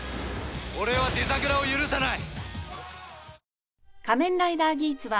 俺はデザグラを許さない！